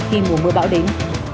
khi mùa mưa bão đến